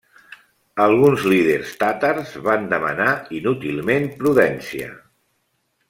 Alguns líders tàtars van demanar inútilment prudència.